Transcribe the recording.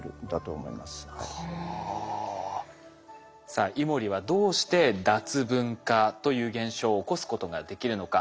さあイモリはどうして脱分化という現象を起こすことができるのか。